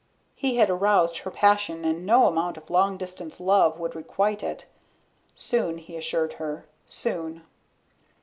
He had aroused her passion and no amount of long distance love could requite it. Soon, he assured her, soon.